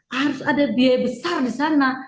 harus ada biaya besar di sana